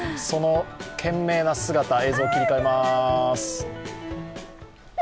その懸命な姿、映像切り替えます。